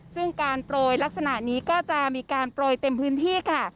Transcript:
ซึ่งการโปรยลักษณะนี้ก็จะมีการโปรยเต็มพื้นที่ค่ะ